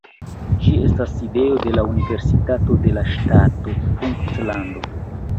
Ĝi estas sidejo de la Universitato de la Ŝtato Puntlando.